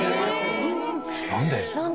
何で？